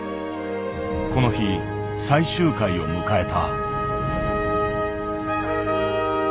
この日最終回を迎えた。